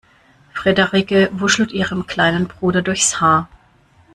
Frederike wuschelt ihrem kleinen Bruder durchs Haar.